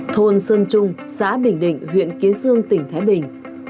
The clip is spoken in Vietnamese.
thôn sơn trung xã bình định huyện ký dương tỉnh thái bình